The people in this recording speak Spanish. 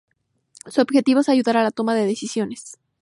Su objetivo es ayudar a la toma de decisiones.